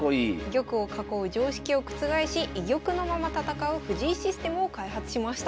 玉を囲う常識を覆し居玉のまま戦う藤井システムを開発しました。